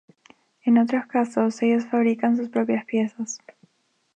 En otros casos, ellos fabricaban sus propias piezas.